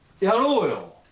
やろうよ！